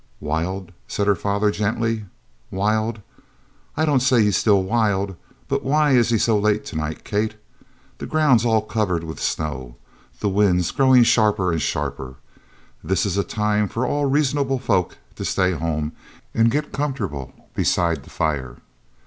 "Wild?" said her father gently. "Wild? I don't say he's still wild but why is he so late tonight, Kate? The ground's all covered with snow. The wind's growin' sharper an' sharper. This is a time for all reasonable folk to stay home an' git comfortable beside the fire.